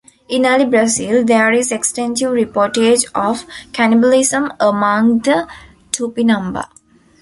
In early Brazil, there is extensive reportage of cannibalism among the Tupinamba.